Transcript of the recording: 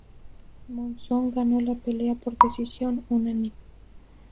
Monson ganó la pelea por decisión unánime.